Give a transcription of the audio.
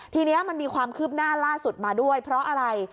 ทีนี้มันมีความคืบหน้าล่าสุดมาด้วยเพราะอะไร